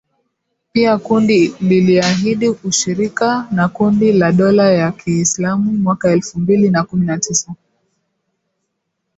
Pia kundi liliahidi ushirika na kundi la dola ya kiislamu mwaka elfu mbili na kumi na tisa